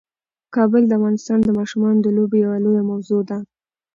کابل د افغانستان د ماشومانو د لوبو یوه لویه موضوع ده.